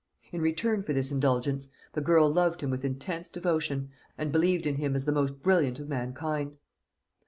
In return for this indulgence, the girl loved him with intense devotion, and believed in Him as the most brilliant of mankind.